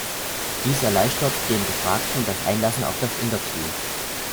Dies erleichtert dem Befragten das Einlassen auf das Interview.